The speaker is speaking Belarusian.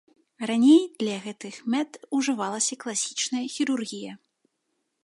Раней для гэтых мэт ужывалася класічная хірургія.